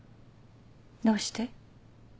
どうして？